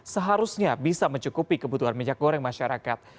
seharusnya bisa mencukupi kebutuhan minyak goreng masyarakat